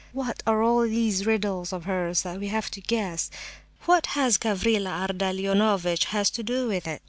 What are all these riddles of hers that we have to guess? What has Gavrila Ardalionovitch to do with it?